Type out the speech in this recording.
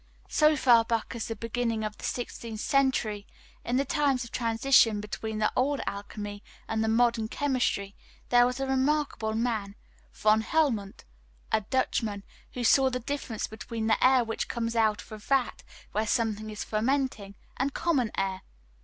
So far back as the beginning of the 16th century, in the times of transition between the old alchemy and the modern chemistry, there was a remarkable man, Von Helmont, a Dutchman, who saw the difference between the air which comes out of a vat where something is fermenting and common air.